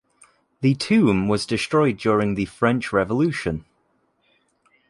The tomb was destroyed during the French revolution.